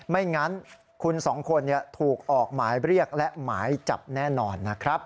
ไม่งั้นคุณสองคนถูกออกหมายเรียกและหมายจับแน่นอนนะครับ